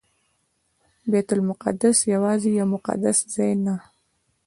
بیت المقدس یوازې یو مقدس ځای نه.